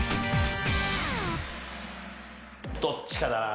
どっちかだな。